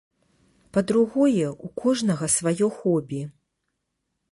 Па-другое, у кожнага сваё хобі.